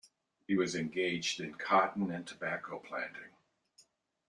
He was engaged in cotton and tobacco planting.